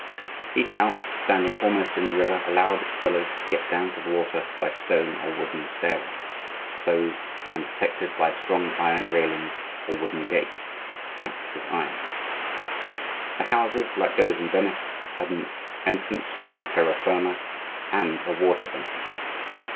Each house, standing almost in the river, allowed its dwellers to get down to the water by stone or wooden stairways, closed and protected by strong iron railings or wooden gates, clamped with iron. The houses, like those in Venice, had an entrance on terra firma and a water entrance.